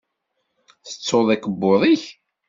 Tettuḍ akebbuḍ-ik.